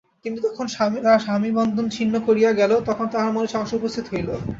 কিন্তু যখন তাহার স্বামী বন্ধন ছিন্ন করিয়া গেল তখন তাহার মনে সংশয় উপস্থিত হইল।